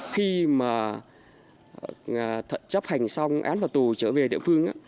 khi mà chấp hành xong án phạt tù trở về địa phương